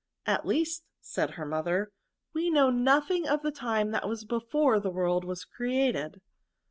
•*At least," said her mother, "we know nothing of the time that was before the world was created.